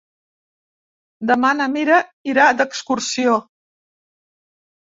Demà na Mira irà d'excursió.